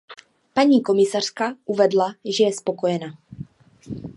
Paní komisařka uvedla, že je spokojena.